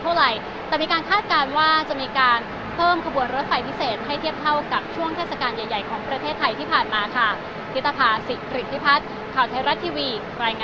ก็ไหมสมาคัดการณ์ว่าไม่การเพิ่มบัญชีหาบวกฝั่งล่ะแกงมากและโดยประเภทไทยนี้ผ่านมาค่ะฮิตภาษิครุฑิพัฒน์การหรอทีวี